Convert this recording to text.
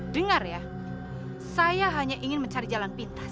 dengar ya saya hanya ingin mencari jalan pintas